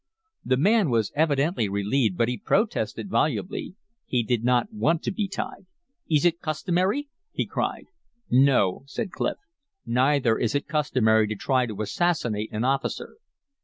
The man was evidently relieved, but he protested volubly. He did not want to be tied. "Is it customary?" he cried. "No," said Clif; "neither is it customary to try to assassinate an officer.